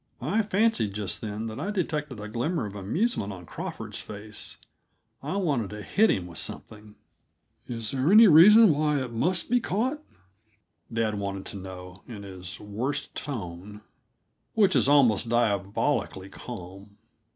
I fancied, just then, that I detected a glimmer of amusement on Crawford's face. I wanted to hit him with something. "Is there any reason why it must be caught?" dad wanted to know, in his worst tone, which is almost diabolically calm.